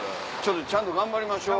ちゃんと頑張りましょう。